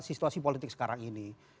situasi politik sekarang ini